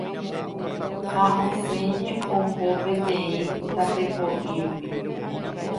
ha osẽje oho peteĩ tapepo'i rupi